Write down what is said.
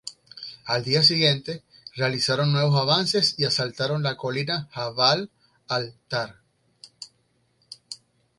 Al día siguiente, realizaron nuevos avances y asaltaron la colina Jabal Al-Tar.